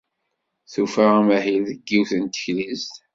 Tufa amahil deg yiwet n teklizt.